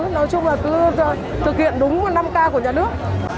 nói chung là cứ thực hiện đúng năm k của nhà nước